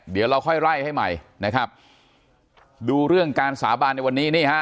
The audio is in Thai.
เดี๋ยวเราค่อยไล่ให้ใหม่นะครับดูเรื่องการสาบานในวันนี้นี่ฮะ